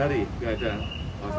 kemarin itu masih ada merek duvir